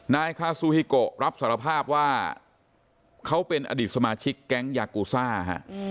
นายคาซูฮิโกรับสารภาพว่าเขาเป็นอดีตสมาชิกแก๊งยากูซ่าฮะ